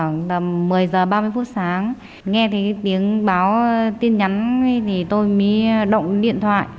người thân bạn bè